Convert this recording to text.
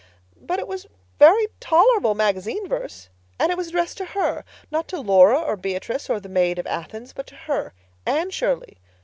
But it was very tolerable magazine verse. And it was addressed to her—not to Laura or Beatrice or the Maid of Athens, but to her, Anne Shirley.